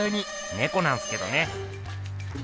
ねこなんすけどね。